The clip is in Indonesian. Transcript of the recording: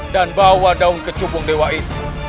dan bawa daun kecubung dewa itu